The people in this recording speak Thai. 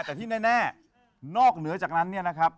แต่ที่แน่นอกเหนือจากนั้นเนี่ยนะครับ